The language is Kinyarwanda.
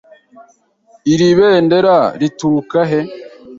Iri bendera rituruka he?